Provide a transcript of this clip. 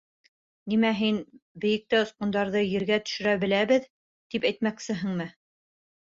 — Нимә һин, бейектә осҡандарҙы ергә төшөрә беләбеҙ, тип әйтмәксеһеңме?